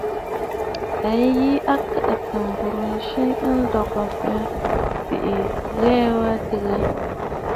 A yi a kəʼə̀tə̀ m̀burə nzi a nlɔ̀gə mə̀ mə bìʼiyu ghɛɛ a adɨgə.